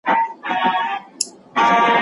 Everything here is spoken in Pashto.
تجربې خورا مهمې دي.